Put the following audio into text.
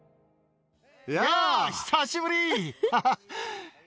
やあ、久しぶり。